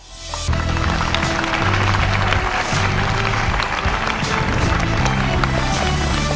ครับผมอยากได้เงินสบายนะครับ